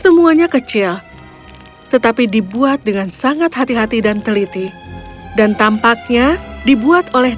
semuanya kecil tetapi dibuat dengan sangat hati hati dan teliti dan tampaknya dibuat oleh